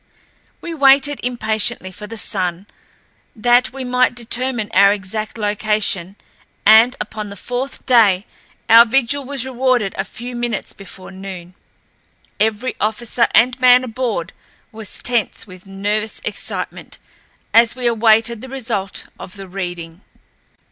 We waited impatiently for the sun, that we might determine our exact location, and upon the fourth day our vigil was rewarded a few minutes before noon. Every officer and man aboard was tense with nervous excitement as we awaited the result of the reading.